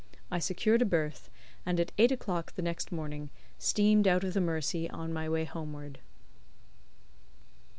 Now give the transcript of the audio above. I secured a berth, and at eight o'clock the next morning steamed out of the Mersey on my way homeward.